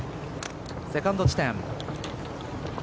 セカンド地点。